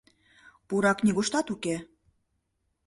— Пурак нигуштат уке.